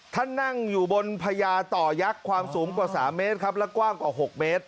นั่งอยู่บนพญาต่อยักษ์ความสูงกว่า๓เมตรครับและกว้างกว่า๖เมตร